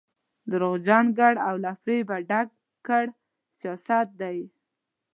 درواغجن ګړ او له فرېبه ډک کړ سیاست دی.